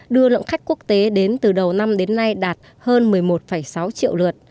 đưa lượng khách quốc tế đến từ đầu năm đến nay đạt hơn một mươi một sáu triệu lượt